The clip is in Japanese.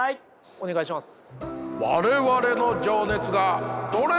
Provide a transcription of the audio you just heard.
お願いします。